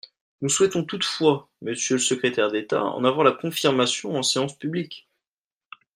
Nous souhaitons toutefois, monsieur le secrétaire d’État, en avoir la confirmation en séance publique.